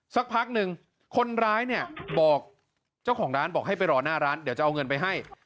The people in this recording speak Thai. สักพักหนึ่งคนร้ายเนี่ยบอกเจ้าของร้านบอกให้ไปรอหน้าร้านเดี๋ยวจะเอาเงินไปให้